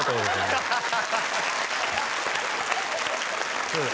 すいません